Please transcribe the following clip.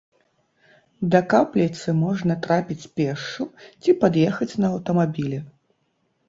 Да капліцы можна трапіць пешшу ці пад'ехаць на аўтамабілі.